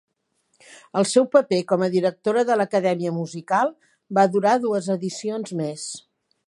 El seu paper com a directora de l'Acadèmia musical va durar dues edicions més.